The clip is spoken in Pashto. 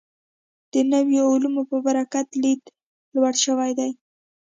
د نویو علومو په برکت لید لوړ شوی دی.